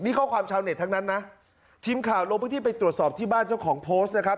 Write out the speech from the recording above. นี่ข้อความชาวเน็ตทั้งนั้นนะทีมข่าวลงพื้นที่ไปตรวจสอบที่บ้านเจ้าของโพสต์นะครับ